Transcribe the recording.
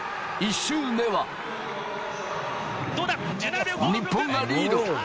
１周目は日本がリード。